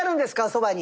そばに。